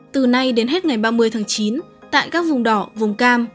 từ nay đến hết ngày ba mươi tháng chín tại các vùng đỏ vùng cam